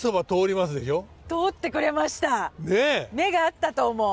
目が合ったと思う。